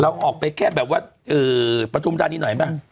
เราออกไปแค่แบบว่าประชุมจานนิดหน่อย